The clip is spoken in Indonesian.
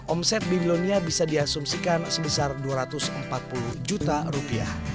omset babylonia bisa diasumsikan sebesar rp dua ratus empat puluh